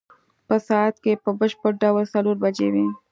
په ساعت کې په بشپړ ډول څلور بجې وې.